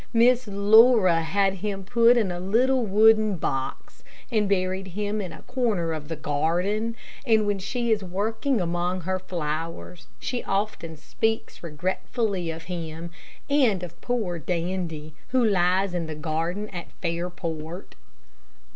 Miss Laura had him put in a little wooden box, and buried him in a corner of the garden, and when she is working among her flowers, she often speaks regretfully of him, and of poor Dandy, who lies in the garden at Fairport.